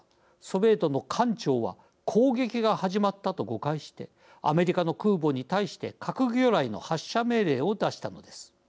ソビエトの艦長は攻撃が始まったと誤解してアメリカの空母に対して核魚雷の発射命令を出したのです。